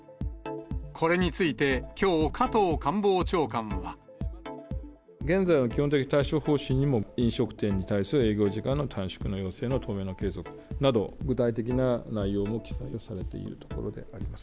これについて、きょう、加藤官房長官は。現在の基本的対処方針にも、飲食店に対する営業時間の短縮の要請の当面の継続など、具体的な内容も記載されているところであります。